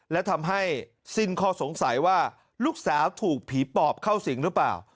และทำให้สิ้นข้อสงสัยว่าลูกสาวถูกผีปอบเข้าสิงหรือเปล่า